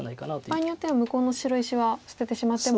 場合によっては向こうの白石は捨ててしまっても。